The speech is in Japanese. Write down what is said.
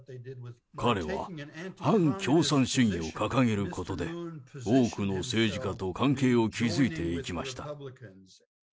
彼は反共産主義を掲げることで、多くの政治家と関係を築いていきました。